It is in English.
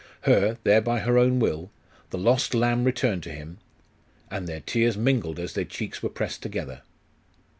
her, there by her own will the lost lamb returned to him? and their tears mingled as their cheeks were pressed together.